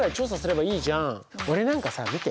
俺なんかさ見て。